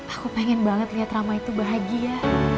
aku pengen banget lihat rama itu bahagia